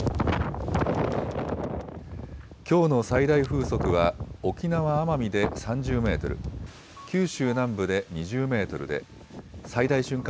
きょうの最大風速は沖縄・奄美で３０メートル、九州南部で２０メートルで最大瞬間